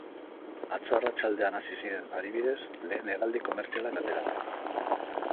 Atzo arratsaldean hasi ziren, adibidez, lehen hegaldi komertzialak ateratzen.